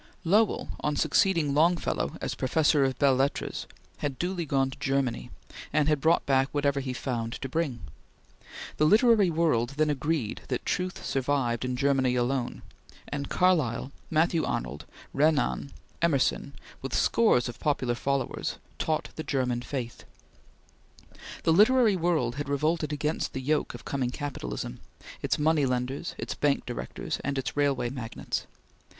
Lowell, on succeeding Longfellow as Professor of Belles Lettres, had duly gone to Germany, and had brought back whatever he found to bring. The literary world then agreed that truth survived in Germany alone, and Carlyle, Matthew Arnold, Renan, Emerson, with scores of popular followers, taught the German faith. The literary world had revolted against the yoke of coming capitalism its money lenders, its bank directors, and its railway magnates.